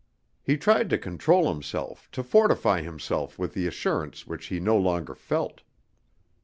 He tried to control himself, to fortify himself with the assurance which he no longer felt.